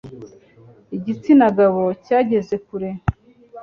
igitsina gabo cyageze kure